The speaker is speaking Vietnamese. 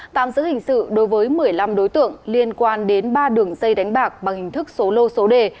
tạm giữ hình sự đối với một mươi năm đối tượng liên quan đến ba đường dây đánh bạc bằng hình thức số lô số đề